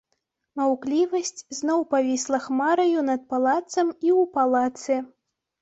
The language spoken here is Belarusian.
Маўклівасць зноў павісла хмараю над палацам і ў палацы.